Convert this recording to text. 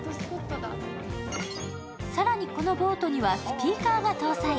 更にこのボートにはスピーカーが搭載。